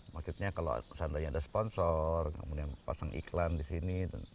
maksudnya kalau seandainya ada sponsor kemudian pasang iklan di sini